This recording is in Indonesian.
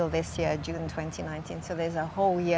jadi ada sepanjang tahun yang memasukkannya